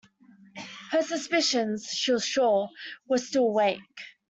Her suspicions, she was sure, were still awake.